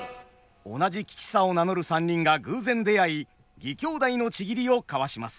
同じ吉三を名乗る三人が偶然出会い義兄弟の契りを交わします。